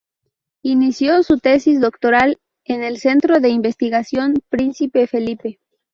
Inició su tesis doctoral en el Centro de Investigación Príncipe Felipe.